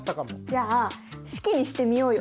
じゃあ式にしてみようよ。